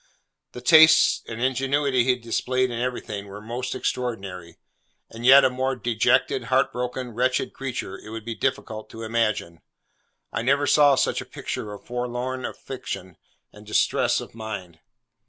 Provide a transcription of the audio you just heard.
The taste and ingenuity he had displayed in everything were most extraordinary; and yet a more dejected, heart broken, wretched creature, it would be difficult to imagine. I never saw such a picture of forlorn affliction and distress of mind.